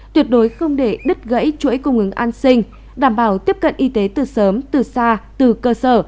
tuyệt đối không để đứt gãy chuỗi cung ứng an sinh đảm bảo tiếp cận y tế từ sớm từ xa từ cơ sở